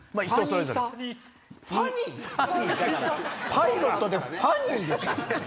パイロットでファニーですか？